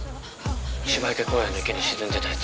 ☎芝池公園の池に沈んでたやつ